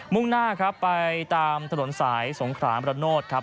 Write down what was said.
่งหน้าครับไปตามถนนสายสงขรามระโนธครับ